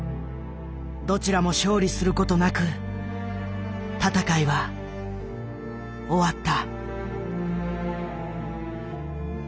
どちらも勝利することなく闘いは終わった。